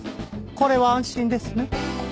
これは安心ですね。